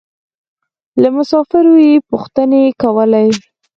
له مسافرو يې پوښتنې کولې.